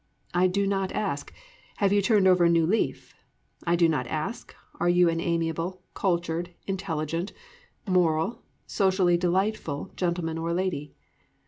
I do not ask, have you turned over a new leaf. I do not ask, are you an amiable, cultured, intelligent, moral, socially delightful gentleman or lady.